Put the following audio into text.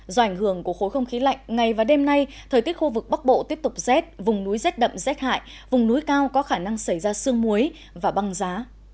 do ảnh hưởng của khối không khí lạnh ngày và đêm nay thời tiết khu vực bắc bộ tiếp tục rét vùng núi rét đậm rét hại vùng núi cao có khả năng xảy ra sương muối và băng giá